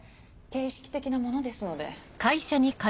形式的なものですので。